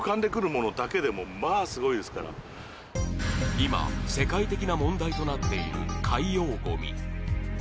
今、世界的な問題となっている海洋ごみ。